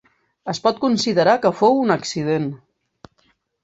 Es pot considerar que fou un accident.